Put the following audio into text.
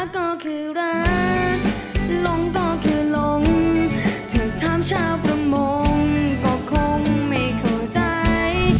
ก็คงไม่เข้าใจ